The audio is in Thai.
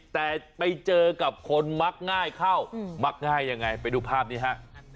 แต่ไปเจอกับคนมักง่ายเข้ามักง่ายยังไงไปดูภาพนี้ฮะ